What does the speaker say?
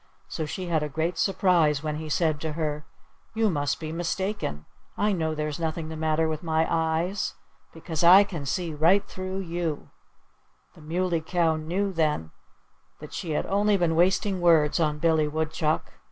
So she had a great surprise when he said to her: "You must be mistaken. I know there's nothing the matter with my eyes, because I can see right through you!" The Muley Cow knew then that she had only been wasting words on Billy Woodchuck.